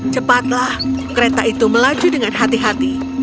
cepatlah kereta itu melaju dengan hati hati